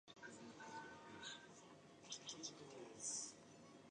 His appreciative utterance of: Three words: Fab-u-lous!